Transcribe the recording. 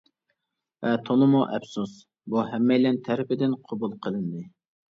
ۋە تولىمۇ ئەپسۇس، بۇ ھەممەيلەن تەرىپىدىن قوبۇل قىلىندى.